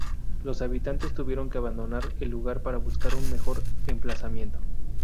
Los habitantes tuvieron que abandonar el lugar para buscar un mejor emplazamiento.